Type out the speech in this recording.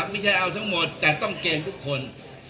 ไม่ใช่เอาทั้งหมดแต่ต้องเกณฑ์ทุกคน